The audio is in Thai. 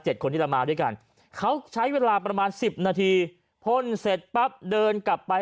คนที่เรามาด้วยกันเขาใช้เวลาประมาณสิบนาทีพ่นเสร็จปั๊บเดินกลับไป